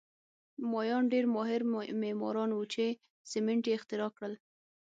مایان ډېر ماهر معماران وو چې سیمنټ یې اختراع کړل